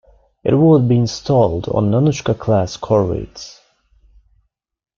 It would be installed on Nanuchka-class corvettes.